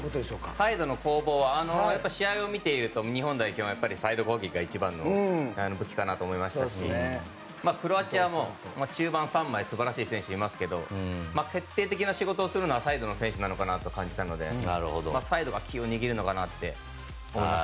サイドの攻防は試合を見ていると日本代表はサイドボギーが一番の武器かなと思いましたしクロアチアも中盤３枚素晴らしい選手がいますが決定的な仕事をするのはサイドの選手かなと思いましたのでサイドが機運を握るのかなと思います。